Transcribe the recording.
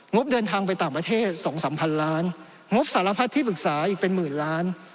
บเดินทางไปต่างประเทศ๒๓พันล้านงบสารพัดที่ปรึกษาอีกเป็นหมื่นล้าน